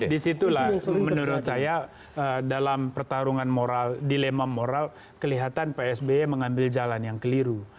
disitulah menurut saya dalam pertarungan moral dilema moral kelihatan psb mengambil jalan yang keliru